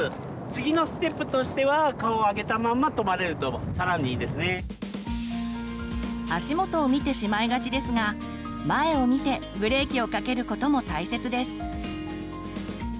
次のステップとしては足元を見てしまいがちですが前を見てブレーキをかけることも大切です。